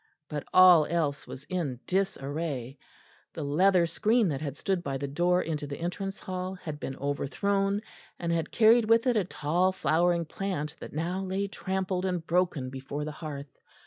But all else was in disarray. The leather screen that had stood by the door into the entrance hall had been overthrown, and had carried with it a tall flowering plant that now lay trampled and broken before the hearth.